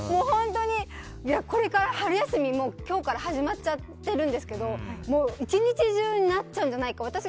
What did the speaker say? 本当に、これから春休み今日から始まっちゃってるんですけど１日中になっちゃうんじゃないかって。